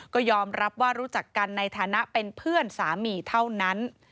ก็ยอมรับว่ารู้จักกันในฐานะเป็นเพื่อนสามีเท่านั้น